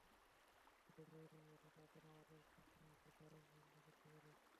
দুর্দান্ত ব্যাটিংয়ের পাশাপাশি আপনার আরও একটি গুণ আছে, দারুণ রান্না করতে পারেন।